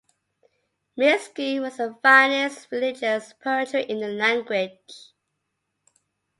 Mirsky as the finest religious poetry in the language.